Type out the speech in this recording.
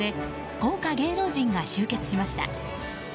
豪華芸能人が集結しました。